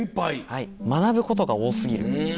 はい学ぶことが多過ぎる。